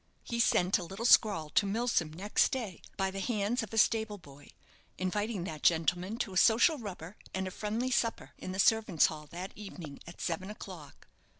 He sent a little scrawl to Milsom next day, by the hands of a stable boy, inviting that gentleman to a social rubber and a friendly supper in the servants' hall that evening at seven o'clock.